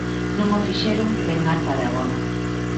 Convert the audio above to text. Non o fixeron ben ata o de agora.